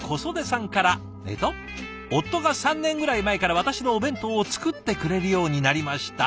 えっと「夫が３年ぐらい前から私のお弁当を作ってくれるようになりました」。